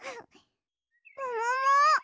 ももも！？